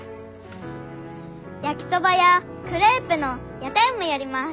焼きそばやクレープの屋台もやります。